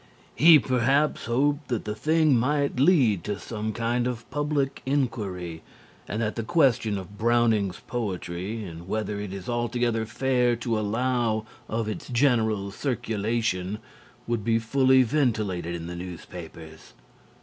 He perhaps hoped that the thing might lead to some kind of public enquiry and that the question of Browning's poetry and whether it is altogether fair to allow of its general circulation would be fully ventilated in the newspapers.